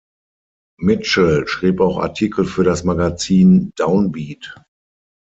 Mitchell schrieb auch Artikel für das Magazin Down Beat.